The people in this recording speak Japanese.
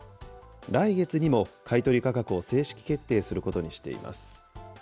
来月にも買い取り価格を正式決定することにしています。